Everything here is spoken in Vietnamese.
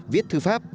viết thư pháp